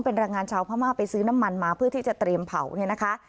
เป็นแรงงานชาวพม่าไปซื้อน้ำมันมาเพื่อที่จะเตรียมเผาเนี่ยนะคะ